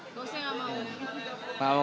bosnya tidak mau